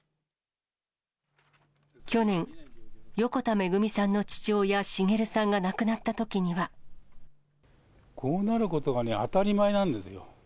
去年、横田めぐみさんの父親、滋さんが亡くなったときには。こうなることがね、当たり前なんですよ。